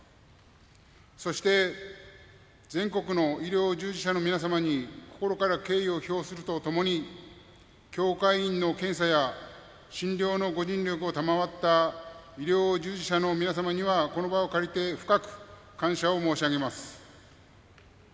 そして全国の医療従事者の皆様に心から敬意を表するとともに協会員の検査や診療のご尽力を賜った医療従事者の皆様にはこの場を借りて深く感謝申し上げます。